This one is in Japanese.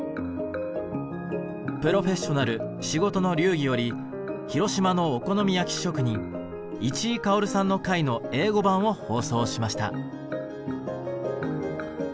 「プロフェッショナル仕事の流儀」より広島のお好み焼き職人市居馨さんの回の英語版を放送しました。